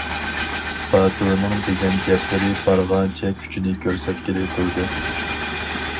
باتۇرنىڭ دېگەن گەپلىرى بارغانچە كۈچىنى كۆرسەتكىلى تۇردى.